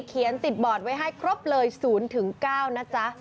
ติดบอร์ดไว้ให้ครบเลย๐๙นะจ๊ะ